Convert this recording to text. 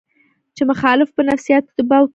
چې مخالف پۀ نفسياتي دباو کښې راولي